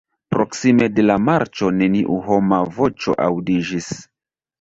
Proksime de la marĉo neniu homa voĉo aŭdiĝis.